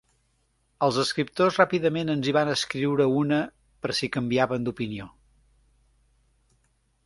Els escriptors ràpidament ens hi van escriure una, per si canviaven d'opinió.